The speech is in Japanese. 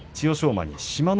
馬に志摩ノ